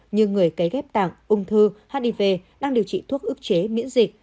như người cấy ghép tạng ung thư hiv đang điều trị thuốc ức chế miễn dịch